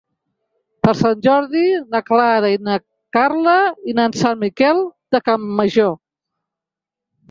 Per Sant Jordi na Clara i na Carla iran a Sant Miquel de Campmajor.